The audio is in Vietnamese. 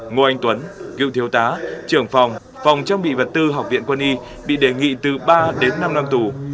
ngô anh tuấn cựu thiếu tá trưởng phòng phòng trang bị vật tư học viện quân y bị đề nghị từ ba đến năm năm tù